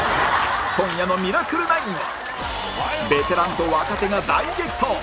今夜の『ミラクル９』はベテランと若手が大激闘！